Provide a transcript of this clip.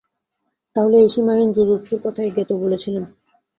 তাহলে এই সীমাহীন জুজুৎসুর কথাই গেতো বলছিলো।